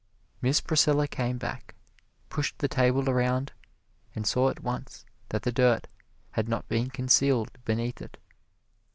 Miss Priscilla came back pushed the table around and saw at once that the dirt had not been concealed beneath it.